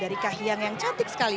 dari kahiyang yang cantik sekali